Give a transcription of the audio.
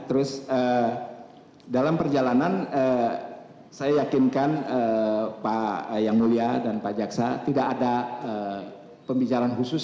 terus dalam perjalanan saya yakinkan pak yang mulia dan pak jaksa tidak ada pembicaraan khusus